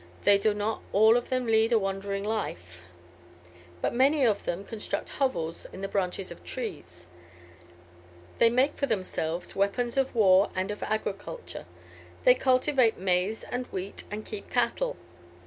They do not all of them lead a wandering life, but many of them construct hovels of the branches of trees. They make for themselves weapons of war and of agriculture; they cultivate maize and wheat, and keep cattle.